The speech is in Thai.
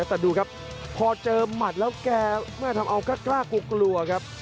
แต่ดูครับพอเจอหมัดแล้ว